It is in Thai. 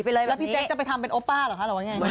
แล้วพี่แจ๊คจะไปทำเป็นโอป้าเหรอคะหรือว่ายังไง